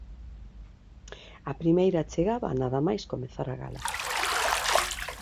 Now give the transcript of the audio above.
A primeira chegaba nada máis comezar a gala.